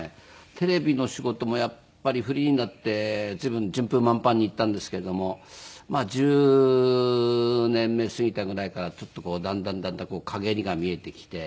テレビの仕事もやっぱりフリーになって随分順風満帆にいったんですけれどもまあ１０年目過ぎたぐらいからちょっとこうだんだんだんだん陰りが見えてきて。